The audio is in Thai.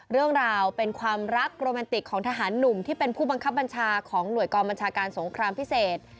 เรื่องราวเป็นความรักโรแมนติกของทหารหนุ่มที่เป็นผู้บังคับบัญชาของหน่วยกองบัญชาการสงครามพิเศษ